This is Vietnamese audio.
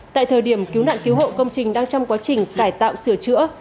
tại thời điểm cứu nạn cứu hộ công trình đang trong quá trình cải tạo sửa chữa